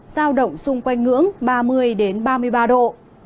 giao động xung quanh ngưỡng ba mươi ba mươi ba độ